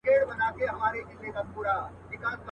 پيشو پوه سول چي موږك جنگ ته تيار دئ.